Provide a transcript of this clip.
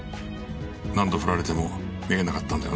何度振られてもめげなかったんだよな。